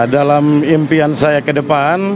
dalam impian saya ke depan